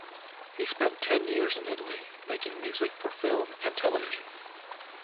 He spent ten years in Italy making music for film and television.